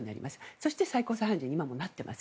そして、最高裁判事に今もなっています。